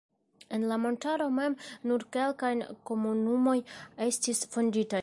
En la montaro mem nur kelkaj komunumoj estis fonditaj.